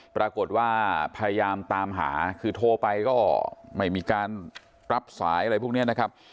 พยายามตามหาคือโทรไปก็ไม่มีการรับสายอะไรพวกนี้นะครับ